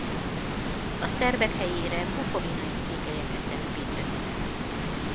A szerbek helyére bukovinai székelyeket telepítettek.